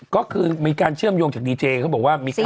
ก็คือมีการเชื่อมโยงจากดีเจเขาบอกว่า